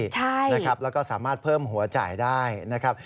แล้วก็สามารถเพิ่มหัวจ่ายได้นะครับ